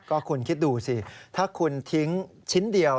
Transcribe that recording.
ก็คุณคิดดูสิถ้าคุณทิ้งชิ้นเดียว